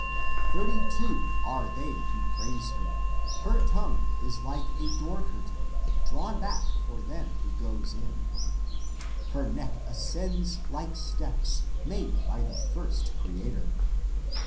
Thirty and two are they who praise her. Her tongue is like a door curtain. Drawn back for them who go in.^ Her neck ascends like steps Made by the first creator.